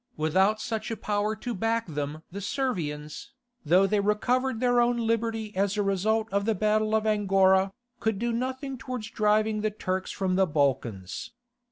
Without such a power to back them the Servians, though they recovered their own liberty as a result of the battle of Angora, could do nothing towards driving the Turks from the Balkans.